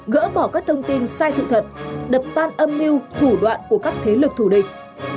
gỡ bỏ các thông tin sai sự thật đập tan âm mưu thủ đoạn của các thế lực thù địch